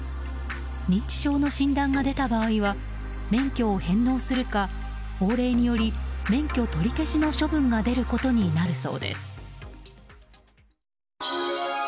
認知症の診断が出た場合は免許を返納するか法令により、免許取り消しの処分が出ることになるそうです。